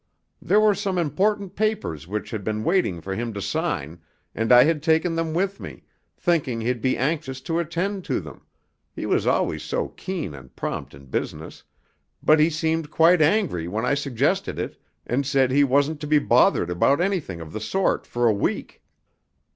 There were some important papers which had been waiting for him to sign, and I had taken them with me, thinking he'd be anxious to attend to them he was always so keen and prompt in business but he seemed quite angry when I suggested it, and said he wasn't to be bothered about anything of the sort for a week.